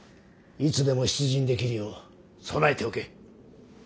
いつでも出陣できるよう備えておけ。